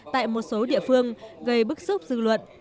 tại một số địa phương gây bức xúc dư luận